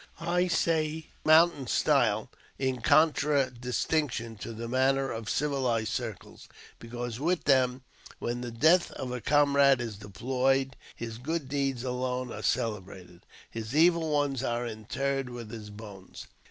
I say " mountain style " in contradistinction to the manner of civilized circles, because, with them, when the death of a comrade is deplored, his good deeds alone are celebrated ; his evil ones are interred with his bones.